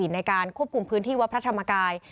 ในการควบคุมพื้นที่วัดพระธรรมกาย